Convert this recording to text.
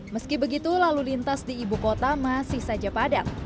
meski begitu lalu lintas di ibu kota masih saja padat